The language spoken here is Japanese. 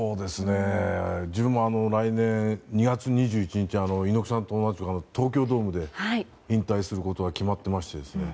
自分も来年２月２１日猪木さんと同じく東京ドームで引退することが決まってまして。